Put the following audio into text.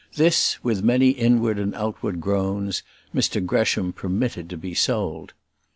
This, with many inward and outward groans, Mr Gresham permitted to be sold.